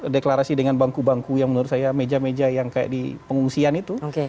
deklarasi dengan bangku bangku yang menurut saya meja meja yang kayak di pengungsian itu